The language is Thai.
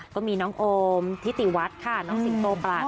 ก็มีน้องโอมทิติวัฒน์ค่ะน้องสิงโตปราศ